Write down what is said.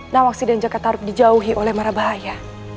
nawaksi dan cakatarup dijauhi oleh mara bahaya